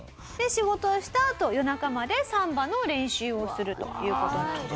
仕事をしたあと夜中までサンバの練習をするという事なんですね。